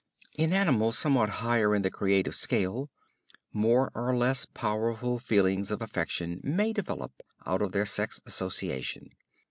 In animals somewhat higher in the creative scale, more or less powerful feelings of affection may develop out of their sex association.